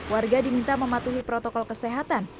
warga diminta mematuhi protokol kesehatan